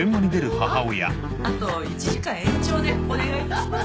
あっあと１時間延長でお願いいたします。